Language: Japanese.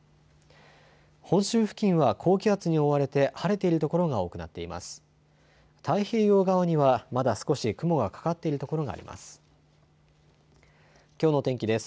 本州付近は高気圧に覆われて晴れている所が多くなっています。